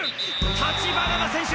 橘田選手